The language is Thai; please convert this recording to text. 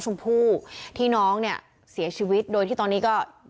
ชมพู่ที่น้องเนี่ยเสียชีวิตโดยที่ตอนนี้ก็